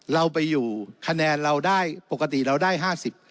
เราไปอยู่คะแนนเราได้ปกติเราได้ห้าสิบ